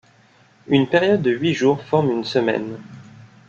Une période de huit jours forme une semaine.